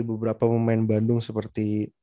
beberapa pemain bandung seperti